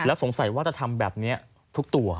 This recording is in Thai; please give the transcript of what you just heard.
สงสัยว่าจะทำแบบนี้ทุกตัว